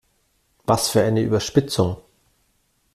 Was für eine Überspitzung!